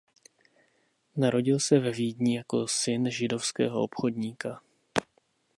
Narodil se ve Vídni jako syn židovského obchodníka.